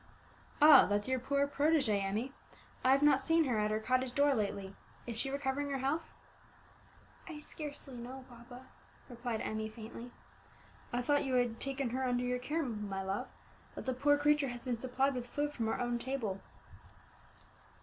"Ah! that's your poor protégée, Emmie; I have not seen her at her cottage door lately. Is she recovering her health?" "I scarcely know, papa," replied Emmie faintly. "I thought that you had taken her under your care, my love, that the poor creature has been supplied with food from our own table."